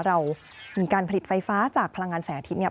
เรามีการผลิตไฟฟ้าจากพลังงานแสงอาทิตย์เนี่ย